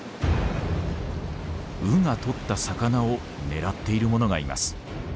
ウがとった魚を狙っているものがいます。